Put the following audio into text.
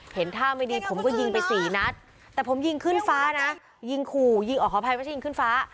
เห็นท่าไม่ดีผมก็ยิงไปสี่นัดแต่ผมยิงขึ้นฟ้านะยิงขู่ยิงออกขออภัยไม่ใช่ยิงขึ้นฟ้า